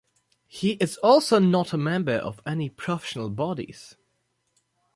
He is also not a member of any professional bodies.